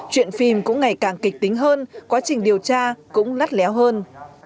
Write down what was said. chuyện phim cũng ngày càng kịch tính hơn quá trình điều tra cũng lắt léo hơn